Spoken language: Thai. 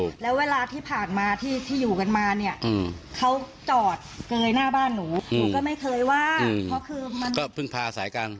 ก็ไม่เคยว่าเพราะคือก็ปิงปากก็เพิ่งพาอาศัยกัน